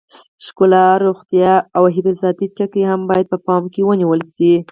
ښکلا، روغتیا او حفاظتي ټکي هم باید په پام کې ونیول شي.